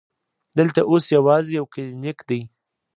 دلته اوس یوازې یو کلینک دی.